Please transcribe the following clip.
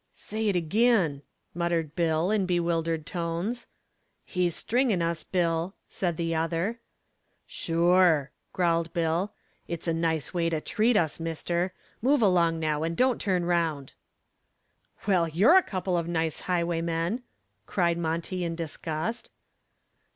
"Say it ag'in," muttered Bill, in bewildered tones. "He's stringin' us, Bill," said the other. "Sure," growled Bill. "It's a nice way to treat us, mister. Move along now and don't turn 'round." "Well, you're a couple of nice highwaymen," cried Monty in disgust.